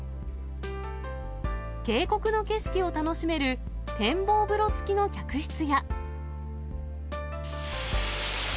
渓谷の景色を楽しめる展望風呂付きの客室や。